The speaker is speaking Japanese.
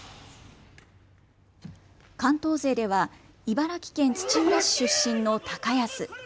関東勢では茨城県土浦市出身の高安。